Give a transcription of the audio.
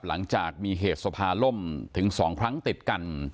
หลังจากมีเหตุสภาล่มถึง๒ครั้งติดกัน